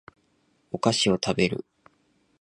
お菓子を食べる